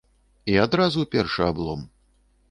І адразу першы аблом.